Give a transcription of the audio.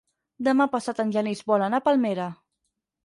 Demà passat en Genís vol anar a Palmera.